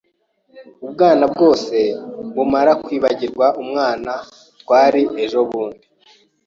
Ubwana bwose bumara kwibagirwa umwana twari ejobundi.